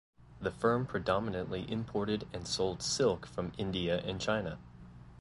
The firm predominantly imported and sold silk from India and China.